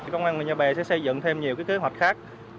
công an hội nhà bè sẽ xây dựng thêm nhiều cái kế hoạch khác